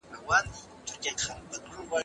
حکومتونه بايد خلګو ته کار پيدا کړي.